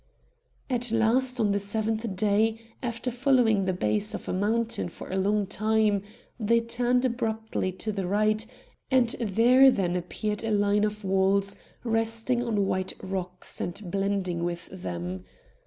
At last on the seventh day, after following the base of a mountain for a long time, they turned abruptly to the right, and there then appeared a line of walls resting on white rocks and blending with them.